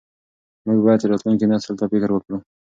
موږ باید راتلونکي نسل ته فکر وکړو.